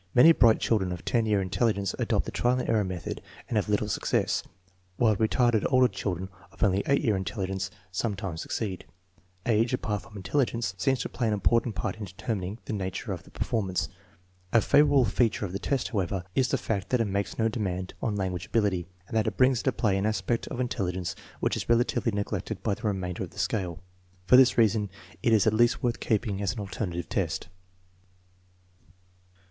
Many bright children of 10 year intelligence adopt the trial and error method and have little success, while retarded older children of only 8 year intelligence sometimes succeed. Age, apart from intelligence, seems to play an important part in determining the nature of the performance. A favorable feature of the test, however, is the fact that it makes no demand on lan guage ability and that it brings into play an aspect of in telligence which is relatively neglected by the remainder of the scale. For this reason it is at least worth keeping as an alternative test.